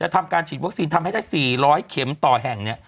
ทำการฉีดวัคซีนทำให้ได้๔๐๐เข็มต่อแห่ง